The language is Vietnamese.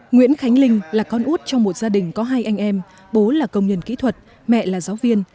nguyễn khánh linh là con út trong một gia đình có hai anh em bố là công nhân kỹ thuật mẹ là giáo viên